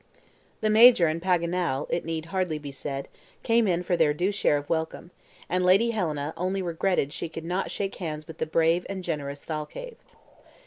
The Major and Paganel, it need hardly be said, came in for their due share of welcome, and Lady Helena only regretted she could not shake hands with the brave and generous Thalcave.